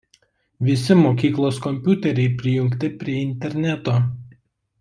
Visi mokyklos kompiuteriai prijungti prie interneto.